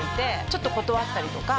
ちょっと断ったりとか。